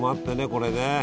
これね。